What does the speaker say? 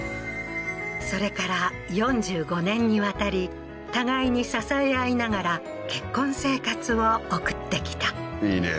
それから４５年にわたり互いに支え合いながら結婚生活を送ってきたいいね